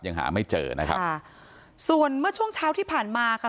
ยังหาไม่เจอนะครับค่ะส่วนเมื่อช่วงเช้าที่ผ่านมาค่ะ